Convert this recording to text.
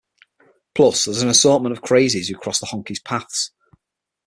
Plus, there's an assortment of crazies who cross the Honkys' paths.